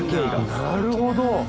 なるほど！